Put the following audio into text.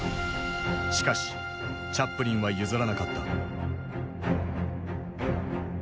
しかしチャップリンは譲らなかった。